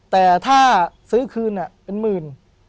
แต่ถ้าซื้อคืนเป็นหมื่น